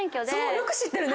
よく知ってるね。